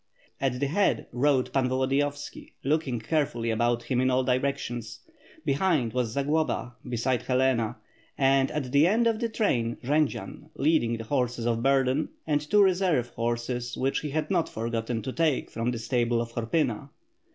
At the head rode Pan Volodiyovski, looking carefully about him in all direc tions, behind was Zagloba beside Helena and at the end of the train Jendzian, leading the horses of burden, and two reserve horses which he had not forgotten to take from the stable of Horpyna.